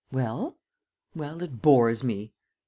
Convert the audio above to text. "Well?" "Well, it bores me."